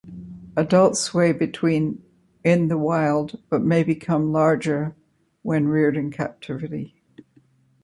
Adults weigh between in the wild, but may become larger when reared in captivity.